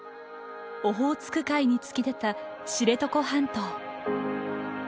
オホーツク海に突き出た知床半島。